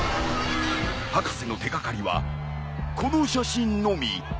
博士の手掛かりはこの写真のみ。